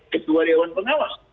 ketua dewan pengawas